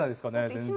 全然。